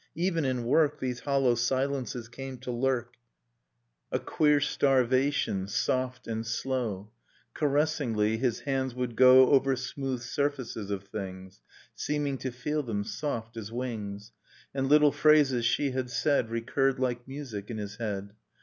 even in work These hollow silences came to lurk ; Dust in Starlight A queer stan^ation; soft and slow, Caressingly, his hands would go Over smooth surfaces of things, Seeming to feel them soft as wings; And little phrases she had said Recurred like music in his head